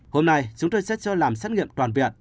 hôm nay chúng tôi sẽ cho làm xét nghiệm toàn viện